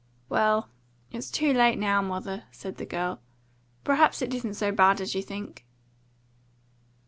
"Well, it's too late now, mother," said the girl. "Perhaps it isn't so bad as you think."